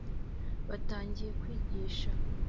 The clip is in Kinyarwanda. Batangiye kwigisha